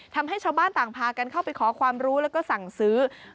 ทำให้ชาวบ้านต่างพากันเข้าไปขอความรู้แล้วก็สั่งซื้อ